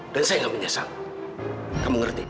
dan saya nggak menyesal kamu ngerti